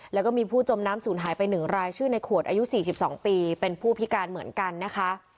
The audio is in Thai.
แล้วก็มีผู้จมน้ำศูนย์หายไป๑รายชื่อในขวดอายุ๔๒ปีเป็นผู้พิการเหมือนกันนะคะ